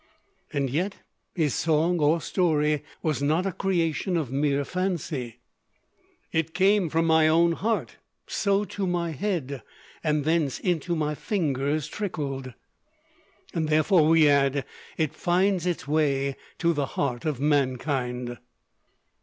And yet his song, or story, was not a creation of mere fancy, "It came from my own heart, so to my head, And thence into my fingers tricklèd;" and therefore, we add, it finds its way to the heart of mankind.